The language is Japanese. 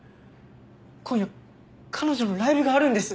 今夜彼女のライブがあるんです。